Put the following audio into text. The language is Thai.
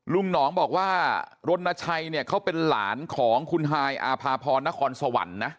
หนองบอกว่ารณชัยเนี่ยเขาเป็นหลานของคุณฮายอาภาพรนครสวรรค์นะ